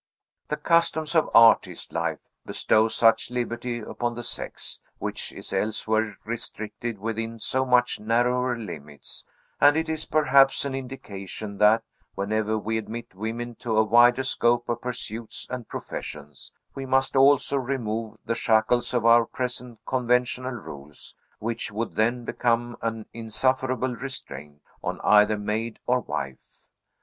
The customs of artist life bestow such liberty upon the sex, which is elsewhere restricted within so much narrower limits; and it is perhaps an indication that, whenever we admit women to a wider scope of pursuits and professions, we must also remove the shackles of our present conventional rules, which would then become an insufferable restraint on either maid or wife.